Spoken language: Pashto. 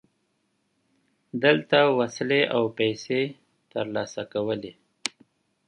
دلته وسلې او پیسې ترلاسه کولې.